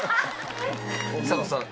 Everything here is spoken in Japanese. ちさ子さん